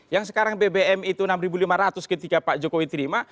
yang sekarang bbm itu enam lima ratus ketika pak jokowi terima